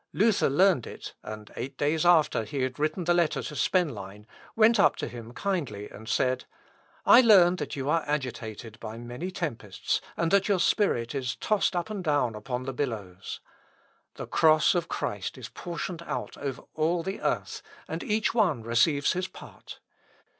Luther learned it, and eight days after he had written the letter to Spenlein, went up to him kindly, and said "I learn that you are agitated by many tempests, and that your spirit is tossed up and down upon the billows.... The cross of Christ is portioned out over all the earth, and each one receives his part.